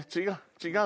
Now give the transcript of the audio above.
違う。